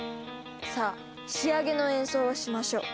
さあ仕上げの演奏をしましょう。